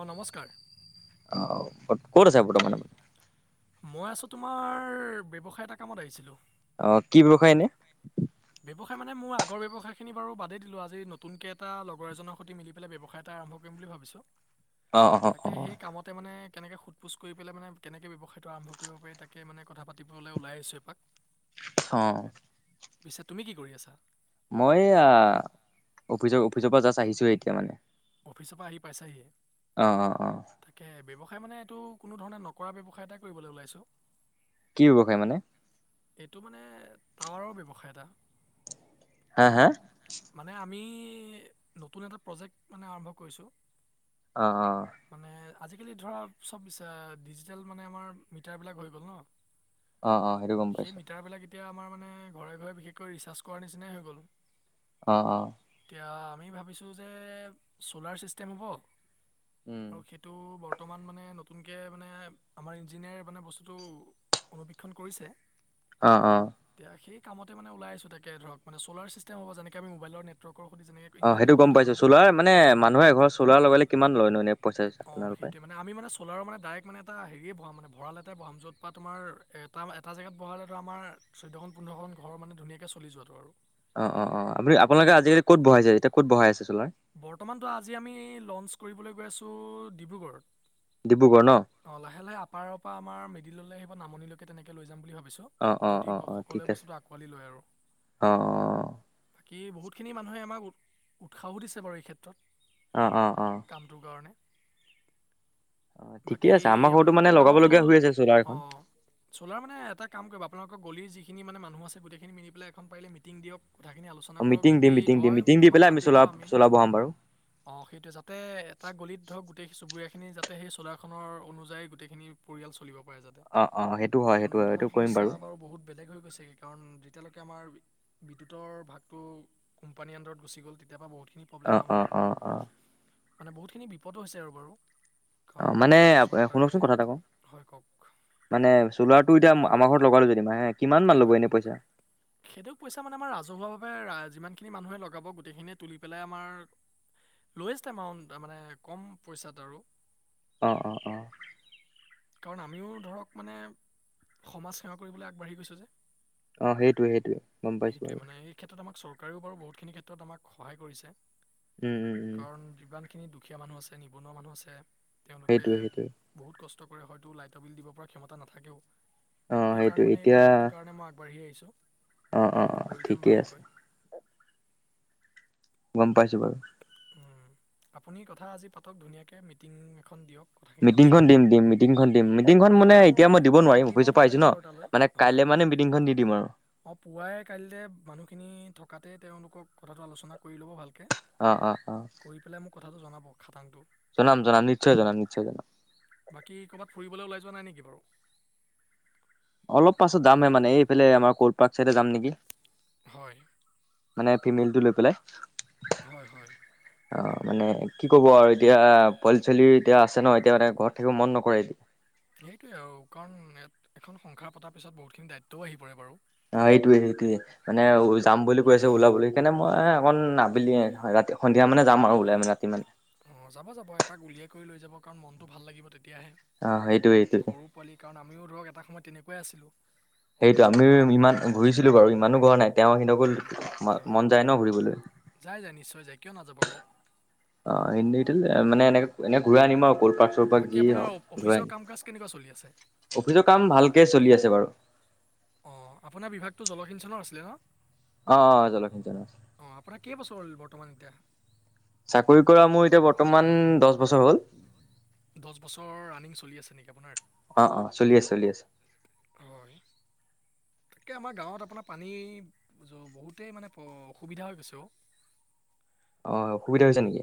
অ নমস্কাৰ। অ ক'ত আছে বৰ্তমান। মই আছোঁ তোমাৰ ব্যৱসায়ী এটা কামত আহিছিলোঁ। অ কি ব্যৱসায় এনে। ব্যৱসায় মানে মোৰ আগৰ ব্যৱসায় খিনি বাৰু বাদেই দিলোঁ আজি নতুনকে এটা লগৰ এজনৰ সৈতে মিলি পেলাই ব্যৱসায় এটা। আৰম্ভ কৰিম বুলি ভাবিছোঁ অ', অ', তালে অ', সেই কামতে। কেনেকে সোধ পোছ কৰি পেলাই মানে কেনেকে ব্যৱসায়টো আৰম্ভ কৰিব পাৰি তাকে মানে কথা পাতিবলৈ ওলাই আহিছো এপাক। অ' পিছে তুমি কি কৰি আছা? মই এয়া অফিচৰ অফিচৰ পৰা জাষ্ট আহিছোহে এতিয়া মানে অফিচৰ পৰা আহি পাইছাহিহে? অ', অ', অ', তাকে, ব্যৱ সায় মানে এইটো কোনো ধৰণে নকৰা ব্যৱসায় এটাই কৰিবলৈ ওলাইছো। কি ব্যৱসায় মানে? এইটো মানে টাৱাৰৰ ব্যৱসায় এটা। হাঁ, হাঁ মানে আমি নতুন এটা প্ৰজেক্ট মানে আৰম্ভ কৰিছোঁ। অ, অ' মানে আজিকালি ধৰা চব ডিজিটেল মানে আমাৰ মিটাৰ বিলাক হৈ গ'ল ন অ অ সেইটো গম সেই পাইছো মিটাৰবিলাক এতিয়া আমাৰ মানে ঘৰে ঘৰে বিশেষকৈ ৰিচাৰ্জ কৰাৰ নিচিনাই হৈ গ'লো অ অ আমি ভাবিছোঁ যে চ'লাৰ ছিষ্টেম হ'ব উম, আৰু সেইটো বৰ্ত বৰ্তমান মানে নতুনকে মানে আমাৰ ইঞ্জিনিয়াৰ মানে বস্তুটো অনুবিকক্ষণ কৰিছে অ অ [unintelligible] ওল আছো তাক ধৰক মান চলাৰ চিষ্টে হব যেনেক আমিোবাইল নেটৰ্ক অ সেইটো গম পাইছো চলাৰ মানে মানুহে ঘৰত চোাৰ লগালে কিমান লয়নো এনে পইচা চইচা আপোনালোকে মান আমি মান চলৰ মানে ডাইক। মানে এটা হেৰিয় ব মান ভৰাল এটা বাম য'ত বা তোমাৰ এটা এটা জেগাত ভৰালে ত আমাৰ চৈধ্। [unintelligible] ঘৰ মানে ধুনিয়াকে চলি যোৱাটো আৰু। অ', অ', আপুনি আপোনালোকে তেনেকুৱা আজিকালি ক'ত বহাইছে এতিয়া ক'ত বহাই আছে চলাৰ? তোৰ ডিব্ৰুগড় ডিব্ৰুগড় ন? অ, আপাৰৰ পা আমাৰ মিদিললৈ অ, নামনিলৈকে তেনেকে লৈ যাম বুলি ভাব অ', অ', যদি অ', অ', ঠিক সকলোৱে আছে। বস্তুটো আঁকোৱালি লয় আৰু। অ', বাকী বহুতখিনি মানুহে আমাক উৎসাহো দিছে বাৰু এই অ', অ', অ', অ', ক্ষেত্ৰত। কামটোৰ কাৰণে। অ', [inaudible] ঠিকে বাকী আছে। আমাৰ ঘৰতো মানে আপোনালোকৰ গাঁৱতো লগাবলগীয়া হৈ আছে চ'লাৰ এখন। অ, চলাৰ মানে এটা কাম কৰিবা আপোনালোক অ, গলি যি মানুহ আছে গোটেইখিনি মিলি পেলাই এখন পাৰিলে মিটিং দিয়ক। কথাখিনি আলোচনা অ, কৰক মিটিং যদি দিম-মিটিং দিম মিটিং দি পেলাই আমি চলাব চলা বহাম বাৰু। অ, সেইটোয়ে যাতে এটা গলিত ধৰক গোটেই চুবুৰীয়াখিনি যাতে সেই চলাৰখনৰ অনুযায়ী গোটেইখিনি পৰিয়াল চলিব কৰে যাতে অ', অ', সেইটো হয় [unintelligible] সেইটো হয় বৰ্তমান সেইটো কৰিম সমস্যা বাৰু বহুত বেলেগ হৈ গৈছে কাৰণ যে এতিয়ালৈকে আমাৰ বিদ্যুতৰ ভাগটো কোম্পানীৰ আণ্ডাৰত গুচি গ'ল তেতিয়া পা বহুত প্ৰব্লেম অ', অ', আমাৰ অ', অ', মানে বহুতখিনি বিপদো হৈছে [unintelligible] আৰু বাৰু। অ, কাৰণ মানে চ- চৰকাৰে শুনকচোন কথা এটা কওঁ হয় কওক মানে চলাৰ টো এতিয়া আমাৰ ঘৰত লগালো যেনিমা এ কিমান মান ল'ব হয় এনেই পইচা? সেইটো পইচা মানে আমাৰ ৰাজহুৱাভাৱে যিমানখিনি মানুহে লগাব গোটেইখিনিয়ে তুলি পেলাই আমাৰ লয়েষ্ট এমাউণ্ট মানে কম পইচাত আৰু অ', অ', অ', কাৰণ আমিও ধৰক মানে সমাজ সেৱা কৰিবলৈ আগবাঢ়ি গৈছো যে। অ, সেইটোৱে-সেইটোৱে গম পাইছো আৰু। কাৰো বাৰু বহুত খিনি ক্ষেত্ৰত আমাক সহায় কৰিছে, উম, উম, উম, কাৰণ যিমান খিনি দুখীয়া মানুহ আছে নিবনুৱা মানুহ আছে তেওঁলোকে সেইটোৱে সেইটোৱে বহুত কষ্ট কৰে হয়টো লাইটৰ বিল দিব পৰা ক্ষমতা নাথাকেও, অ', সেই কাৰণে সেইটোৱে মানে এই এতিয়া প্ৰজেক্টটো কাৰণে মই আগবাঢ়ি আহিছোঁ অ', অ', কামটো অ', কৰি যাম ঠিকে আছে ভালকৈ। গম পাইছো বাৰু। উ আপুনি কথা আজি পাতক ধুনীয়াকে মিটিং এখন দিয়ক। কথাখিনি আলোচনা মিটিংখন দিম কৰক দিম মিটিংখন দিম মিটিংখন মই মানে মোৰ এতিয়া মই দিব নোৱাৰিম পাৰ্টি মই অফিচৰ পৰা পঠাই আহছো দিম ন বাৰু মানে কাইলে মানে মিটিংখন দি দিম আৰু। অ পুৱাই কাইলে মানুহখিনি থকাতে তেওঁলোকক কথাটো আলোচনা কৰি ল'ব ভালকে। অ অ অ। কথাটো জনাব খাটাংটো। জনাম জনাম নিশ্চয় জনাম নিশ্চয় জনাম। বাকী ক'ৰবাত ফুৰিবলে ওলাই যোৱা নাই নেকি বাৰু? পাক চাইদে যাম নেকি। হয়। মানে ফিমেইলটো লৈ পেলাই। হয় হয়। অ মানে কি কব আৰু এতিয়া পোৱালি চোৱালি এতিয়া আছে ন এতিয়া মানে ঘৰত থাকিব মন নকৰে এতিয়া। সেইটোৱে আৰু কাৰণ এখন সংসাৰ পতাৰ পিছত বহুতখিনি দায়িত্বও আহি পৰে বাৰু। অ এইটোৱে সেইটোৱে মানে যাম বুলি কৈ আছে ওলাবলৈ সেইকাৰণে মই অকণ আবেলি সন্ধিয়া মানে যাম আৰু ওলাই মানে ৰাতিমানে। অ যাব যাব এপাক উলিয়াই কৰি লৈ যাব কাৰণ মনতটো ভাল লাগিব তে তেতিয়াহে অ সেইটোয়ে সেইটোয়ে সৰু পোৱালি কাৰণ আমিও ধৰক এটা সময়ত তেনেকুৱাই আছিলোঁ। সেইটো আমি ইমান ঘূৰিছিলো বাৰু ইমানো নাই তেওঁ সিকো, ম হয় মন যায় ন ঘুৰিবলৈ। যায় যায় নিশ্চয় যায় কিয় নাযাব কওক অ মানে এনেকে এনে ঘূৰাই আনিম আৰু ক'ল পাৰ্ক চল পাৰ্ক বাকী যি হওক আপোনাৰ ঘূৰাই অফিচৰ আনিম কাম কাজ কেনেকুৱা চলি আছে অফিচৰ কাম ভালকে চলি আছে বাৰু অ আপোনাৰ বিভাগটো জলসিঞ্চনৰ আছিলে ন অ অ জলখি আছে অঁ আপোনাৰ কেইবছৰ হ'ল বৰ্তমান এতিয়া চাকৰি কৰা মোৰ এতিয়া বৰ্তমান দহ বছৰ হ'ল দহ বছৰ ৰানিং চলি আছে নেকি আপোনাৰ অ অ চলি আছে চলি আছে হয় তে আমাৰ গাঁৱত আপোনাৰ পানী বহুতেই মানে অসুবিধা হৈ গৈছে অ অ অসুবিধা হৈছে নেকি এ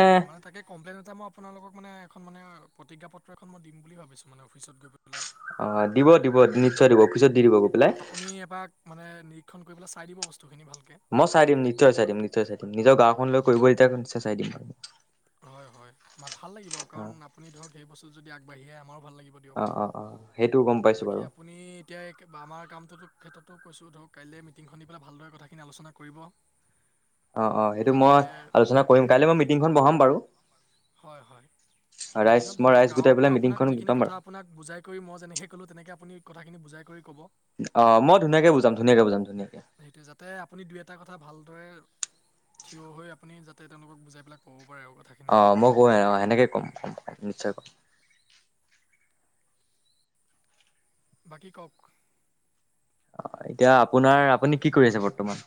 হয় মানে তাকে কমপ্লেইন এটা মই আপোনালোকক মানে এখন মানে প্ৰতিজ্ঞা পত্ৰ এখন মই দিম বুলি ভাবিছো মানে অফিচত গৈ পেলাই অ দিব দিব নিশ্চয় দিব পিছত দি দিব গৈ পেলাই আপুনি এপাক মানে নিৰীক্ষণ কৰিবেলাই দিব বস্তুখিনি ভালকে মই চাই দিম নিশ্চয় চাই দিম নিশ্চয় চাই দিম নিজৰ গাঁওখনলৈ কৰিব দিয়াৰ নিয় চাই দিম আৰু হয় হয় ভাল লাগিব কাৰণ আপুনি ধৰক সেই বস্তু যদি আগবাঢ়ি আহে আমাৰো ভাল লাগিব অ অ অ সেইটো গম দিয়ক পাইছো বাৰু বাকী আপুনি এতিয়া আমাৰ কামটোত ক্ষেত্ৰত তক কৈছোঁ ধৰক কাইলে মিটিংখন দি পেলাই ভালদৰে কথাখিনি আলোচনা কৰিব অ অ সেইটো যাতে মই আলোচনা কৰিম কাইলে মই মিটিংখন বহাম বাৰু হয় হয় ৰাইজ মিটিঙত মই বহাক ৰাইজ গোটাই গাৱকো পেলাই আপোনাক মিটিংখন যি খিনি গোটাম কথা বাৰু আপোনাক বুজাই কৰি মই যেনেকে ক'লোঁ তেনেকে আপুনি কথাখিনি বুজাই কৈ কব অ মই ধুনীয়াকে বুজাম ধুনীয়াকে বুজাম ধুনীয়াকে সেইটোৱে যাতে আপুনি দুই এটা কথা ভাল দৰে থিয় হৈ আপুনি যাতে তেওঁলোকক বুজাই পেলাই ক'ব পাৰে আৰু কথাখিনি অ মই কওঁ অ সেনেকে কম কম কম নিশ্চয় কম বাকী কক অ এতিয়া আপোনাৰ আপুনি কি কৰি আছে বৰ্তমান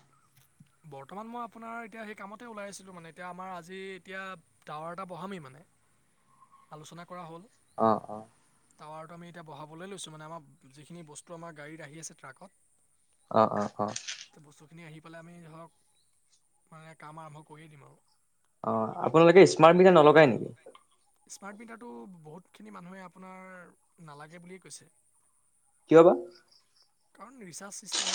বৰ্তমান মই আপোনাৰ এতিয়া সেই কামতে ওলাই আছিলো মানে এতিয়া আমাৰ আজি এতিয়া টাৱাৰ এটা বহামেই মান আলোচনা কৰা হ'ল অ অ টাৱাৰটো আমি এতিয়া বহাবলৈ লৈছো মানে আমাৰ যিখিনি বস্তু আমাৰ গাড়ীত আহি আছে ট্ৰাকত অ অ অ সেইখিনি আহি পেলাই আমি ধৰক মানে কাম আৰম্ভ কৰিয়ে দিম আৰু অ আপোনালোকে স্মাৰ্ট মিটাৰ নলগাই নেকি স্মাৰ্ট মিটাৰটো বহুতখিনি মানুহে আপোনাৰ নালাগে বুলিয়ে কৈছে কিয় বা? কাৰণ ৰিচাৰ্ছ চিষ্টেম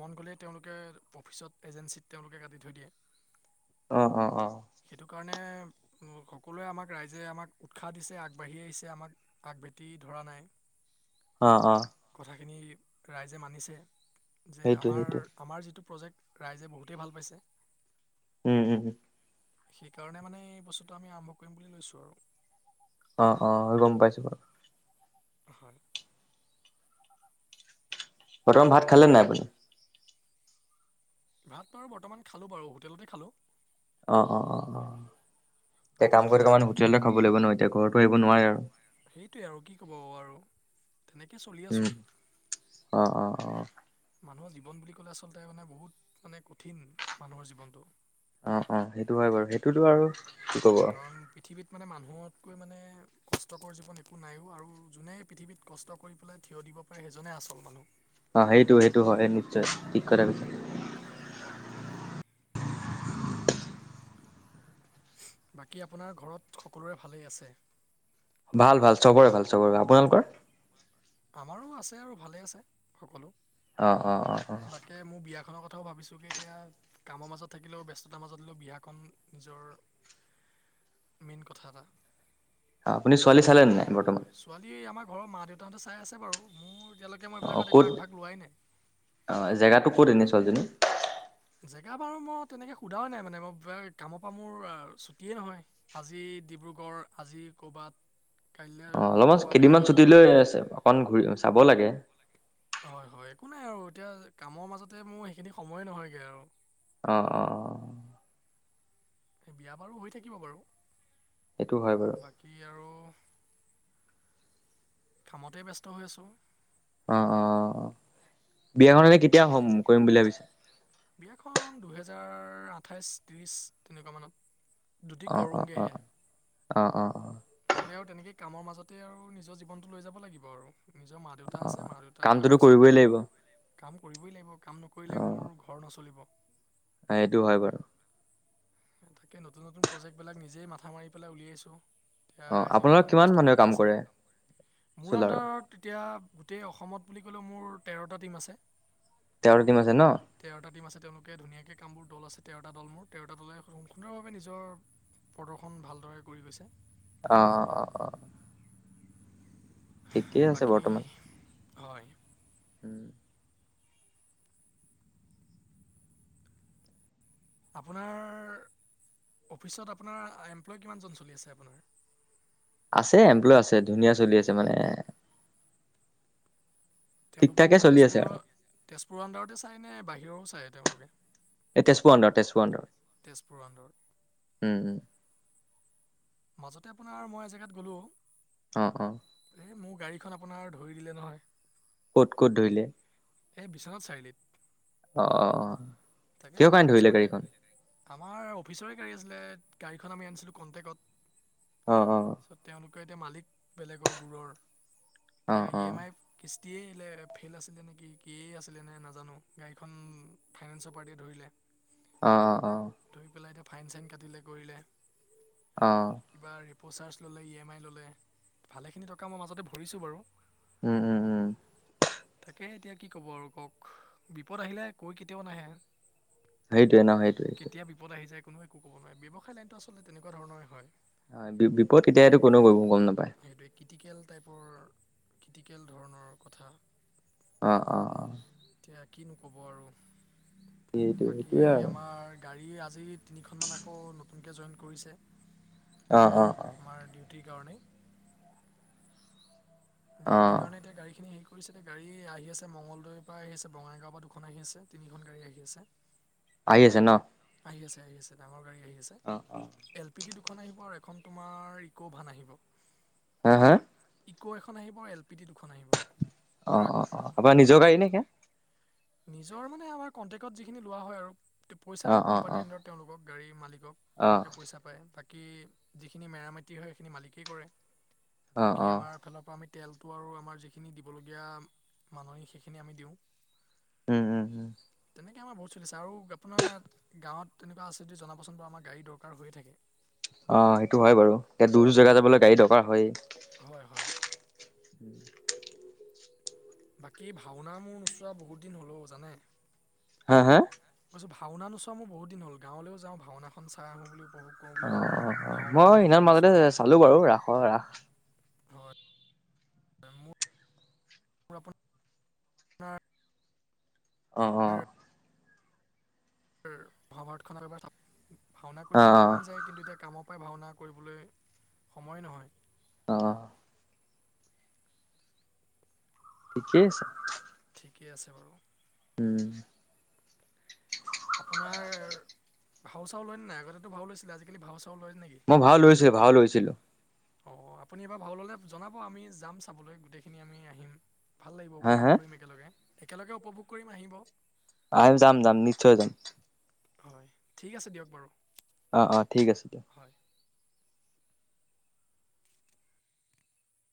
মন গ'লে তেওঁলোকে অফিচত এজেঞ্চিত তেওঁলোকে কাটি থৈ দিয়ে অ অ অ অ সকলোৱে আমাক ৰাইজে আমাক উৎসাহ দিছে আগবাঢ়ি আহিছে, আমাক আগভাতি ধৰা নাই। অ অ কথাখিনি ৰাইজে মানিছে, যে সেইটোৱে আমাৰ সেইটোৱে আমাৰ যিটো প্ৰজেক্ট ৰাইজে বহুতেই ভাল পাইছে। উম হম। সেইকাৰণে মানে এই বস্তুটো আমি আৰম্ভ কৰিম বুলি লৈছো আৰু। অ অ গম পাইছো বাৰু। হয়। বৰ্তমান ভাত খালে নাই আপুনি? ভাত বাৰু বৰ্তমান খালো বাৰু হোটেলতে খালোঁ। অ অ অ অ এতিয়া কাম আপুনি কৰি খালে কানে হোটেলতে খাব লাগিব নহয় এতিয়া ঘৰতো আহিব নোৱাৰে আৰু। সেইটোৱে আৰু কি কব আৰু তেনেকে চলি উম আছো। অ অ অ মানুহৰ জীৱন বুলি ক'লে আচলতে মানে বহুত মানে কঠিন মানুহৰ জীৱনটো অ অ সেইটো হয় বাৰু সেইটোতো আৰু কি ক'ব আৰু কাৰণ পৃথিৱীত মানে মানুহতকৈ মানে কষ্টকৰ জীৱন একো নাইো আৰু যোনে পৃথিৱীত কষ্ট কৰি পেলাই থিয় দিব পাৰে সেইজনে আচল মানুহ অ সেইটো সেইটো হয় নিশ্চয় ঠিক কৰা পিছত হয় বাকী আপোনাৰ ঘৰত সকলোৰে ভালেই আছে ভাল ভাল চবৰে ভাল চবৰে আপোনালোকৰ আমাৰো আছে আৰু ভালে আছে সকলো অঁ অঁ অঁ অ বাকী মোৰ বিয়াখনৰ কথাও ভাবিছো কি এতিয়া কামৰ মাজত থাকিলেও ব্যস্ততাৰ মাজত থাকিলেও বিয়াখনন নিজৰ মেণ কথা এতা অ আপুনি ছোৱালী চালে ন নাই বৰ্তমান ছোৱালী আমাৰ ঘৰৰ মা দেউতাহঁত চাই আছে বাৰু মোৰ এতিয়ালৈকে মই অ এইবিলাকত একো ক'ত আগভাগ লোৱাই নাই অ জেগাটো ক'ত এনি ছোৱালীজনী জেগা বাৰু মই তেনেকে সোধাও নাই মানে মই কামৰ পৰা মোৰ ছুটিয়ে নহয় আজি ডিব্ৰু় ডিব্ৰুগড়ৰ আজি ক'ৰবাত কাইলৈ অ অলপমান ক'ৰবাত কেইদিনমান বেলেগত ছুটি লৈ অকন ঘূৰি চাব লাগে হয় হয় একো নাই আৰু এতিয়া কামৰ মাজতে মোৰ সেইখিনি সময়ে নহয়গে আৰু অ অ অ বিয়া বাৰু হৈ থাকিব সেইটো হয় বাৰু বাৰু বাকী আৰু কামতে ব্যস্ত হৈ আছো অ অ বিয়াখননে কেতিয়া হম কৰিম বুলি ভাবিছে বিয়াখন দুহেজাৰ আঠাইশ ত্ৰিশ তেনেকুৱা মানত যদি অ অ অ কৰোগেহে অ অ অ লে আৰু তেনেকৈ কামৰ মাজতে আৰু নিজৰ জীৱনটো লৈ যাব লাগিব আৰু নিজৰ মা দেউতা আছে মা কামটোতো দেউতাক চাব কৰিবই লাগিব কাম কৰিবই লাগিব কাম নকৰিলে মোৰ ঘৰ নচলিব এইেইটো হয় বাৰু তাকে নতুন নতুন প্ৰজেক্ট বিলাক নিজেই মাথা মাৰি পেলাই উলিয়াইছো। এতিয়া অ ৰাইজেও আপোনালোক সেইখিনি কিমান বস্তু মানুহে ভাল কাম পাইছে। কৰে মোৰ চ'লাৰৰ আনদাৰত এতিয়া গোটেই অসমত বুলি ক'লে, মোৰ তেৰটা টীম আছে। তেৰ টিম আছে ন তেৰটা টিম আছে। তেওঁলোকে ধুনীয়াকে কামবোৰ দল আছে তেৰটা দল মোৰ তেৰটা দলে আৰু সুন্দৰভাৱে নিজৰ প্ৰদৰ্শন ভালদৰে কৰি গৈছে। অ কামবোৰ অ অ অ। ঠিকেই আছে বাকী বৰ্তমান। হয় উম। আপোনাৰ অফিচত আপোনাৰ এমপ্লয় কিমান জন চলি আছে আপোনাৰ? আছে এমপ্লয় আছে, ধুনীয়া চলি আছে মানে। ঠিক তেওঁলোকেও ঠাকে চলি আছে আৰু তেজপুৰৰ, তেজপুৰৰ আনডাৰতে চায় নে বাহিৰৰো চায় তেওঁলোকে। এই তেজপুৰ আনডাৰত, তেজপুৰ তেজপুৰৰ আণ্ডাৰত আনডাৰত। উম। মাজতে আপোনাৰ মই এজেগাত গ'লো। অ' অ। মোৰ গাড়ীখন আপোনাৰ ধৰি দিলে নহয়। ক'ত ক'ত ধৰিলে? এ বিশ্বনাথ চাৰিআলিত। অ। তাকে কিহৰ কাৰণে ফাইনেন্সৰ ধৰিলে গাড়ীখন পাৰটিএ আমাৰ অফিচৰে গাড়ী আছিলে গাড়ীখন আমি আনিছিলো কনটেকত। অ' অ। এতিয়া মালিক বেলেগৰ দূৰৰ, অ এতিয়া অ ই এম আই কিচ কিয়ে [unintelligible] ফেইল আছিলে নেকি কি আছিলে নে নাজানো গাড়ীখন ফাইনেন্সৰ পাৰ্টিয়ে ধৰিলে। অহ, অ। ধৰি পেলাই এতিয়া ফাইন চাইন কাটিলে কৰিলে। অহ। প্ৰচাৰ্জ ল'লে ই এম আই ল'লে, ভালেখিনি টকা মই মাজতে ভৰিছোঁ বাৰু। উম উম উম। তাকে এতিয়া কি কব আৰু কওক? বিপদ আহিলে কৈ কেতিয়াও নাহে। সেইটোৱেই ন'সেইটোৱেইটো। কোনোবাই ক'ব নহয় ব্যৱসায় লাইনটো আচলতে তেনেকুৱা ধৰণৰেই হয়। হয় বিপ -বিপদ কেতিয়া এইটো কোনেও [unintelligible] গম নাপায়। সেইটোৱে ক্ৰিটিকেল টাইপৰ ক্ৰিটিকেল ধৰণৰ কথা। অ', অ', অ', এ কিনো কব আৰু সেইটো বাকী সেইটোৱে আৰু আমাৰ গাড়ী আ আজি তিনিখনমান আকৌ নতুনকে জইন কৰিছে। অ', অ', অ', [unintelligible] কাৰণেই অ দিউতি কাৰণে এতিয়া গাড়ীখিনি সেই কৰিছে নে এতিয়া গাড়ী আহি আছে মঙগলদৈৰ পা আহি আছে, বঙাইগাঁওৰ পা দুখন আহি আছে, তিনিখন গাড়ী আহি আছে। আহি আছে ন? আহি আছে -আহি আছে ডাঙৰ গাড়ী আহি আছে অ অ এল পি ডি দু খন আহিব আৰু এখন তোমাৰ ইকো ভান আহিব। আ, হা? ইকো এখন আহিব, এল পি দি দুখন আহিব। অ', ট্ৰাক অ', অ', আপোনাৰ নিজৰ গাড়ী নে সেইয়া? নিজৰ মানে আমাৰ কন্ট্ৰেক্টত যিখিনি লোৱা হয় আৰু তে পইচা অ দিও অ অ কোম্পানীৰ আনডাৰত তেওঁলোকক গাড়ীৰ মালিক [unintelligible] অ তেওঁলোকে পইচা পায় বাকী যিখিনি মেৰামতি হয় সেইখিনি মালিকেই কৰে। অ বাকী অ আমাৰ ফালৰ পৰা আমি তেলটো আৰু আমাৰ যিখিনি দিবলগীয়া মানহ সেইখিনি আমি দিওঁ। উম-উম-উম এনেকে আমাৰ বহুত চলিছে আৰু আপোনাৰ গাঁৱত তেনেকুৱা আছে যদি জনাবচোন বাৰু আমাৰ গাড়ী দৰকাৰ হৈয়ে থাকে। অ', সেইটো হয় বাৰু, এতিয়া দূৰ দৰ জেগা যাবলৈ গাড়ী দৰকাৰ হয়েই। হয় হয় [inaudible] বাকী ভাওনা মোৰ নোচোৱা বহুত দিন হল ও জানে। হা হা? [unintelligible] ভাওনা নোচোৱা মোৰ বহুত দিন হল, গাঁৱলেও যাই ভাওনাখন চাই আহো বুলি। উপভোগ কৰোঁ বুলি অ', ভাবোঁ অ', ভাওনাও মই বহুত দিন সেইনা হ'ল মাজতে চোৱাই নাই চালো বাৰু ৰাসৰ ৰাস হয় মোৰ [unintelligible] অ', অ'। মহভাৰত খনত এবাৰ ভাওনা অ অ কৰিবলৈও মন যায় কিন্তু এতিয়া কামত [unintelligible] ভাওনা কৰিবলৈ সময়ে নহয়। আহ। ঠিকেই আছে। ঠিকেই আছে বাৰু। উম। আপোনাৰ ভাও চাও লয় নে নাই? আগতেটো ভাও লৈছিলে আজিকালি ভাও চাও লৈ মই ভাও লৈছে, ভাও লৈছিলো। অ', আপুনি এবাৰ ভাও ললে জনাব আমি, যাম চাবলৈ গোটেইখিন আমি আহিম। ভাল লাগিব হা উপভোগ হা কৰিম একেলগে, একেলগে উপভোগ কৰিম আহিব। আহিম যাম যাম, নিশ্চয় যাম। হয় ঠিক আছে দিয়ক বাৰু। অ অ ঠিক আছে দিয়া হয়